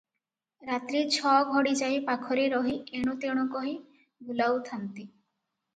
ରାତ୍ରି ଛ ଘଡ଼ି ଯାଏ ପାଖରେ ରହି ଏଣୁ ତେଣୁ କହି ଭୁଲାଉଥାନ୍ତି;